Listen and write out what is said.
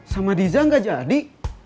sama diza gak jadi